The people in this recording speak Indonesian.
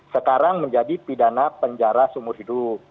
sekarang menjadi pidana penjara seumur hidup